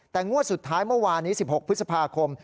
แต่งวดสุดท้ายเมื่อวานนี้๑๖พฤษภาคม